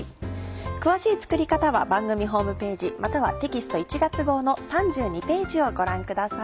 詳しい作り方は番組ホームページまたはテキスト１月号の３２ページをご覧ください。